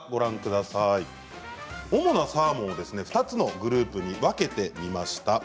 主なサーモンを２つのグループに分けてみました。